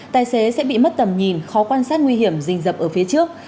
tài xế sẽ bị mất tầm nhìn khó quan sát nguy hiểm rình dập ở phía trước